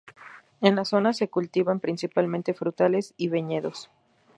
En la zona se cultivan principalmente frutales y viñedos.